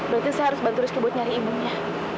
berarti saya harus bantu rizky buat nyari imungnya